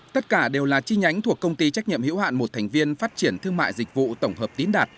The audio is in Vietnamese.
tất cả đều là chi nhánh thuộc công ty trách nhiệm hiểu hạn một thành viên phát triển thương mại dịch vụ tổng hợp tín đạt